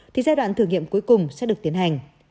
thì giai đoạn thử nghiệm cuối cùng sẽ được tiến hành